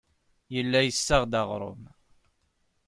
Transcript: Yella yessaɣ-d aɣrum.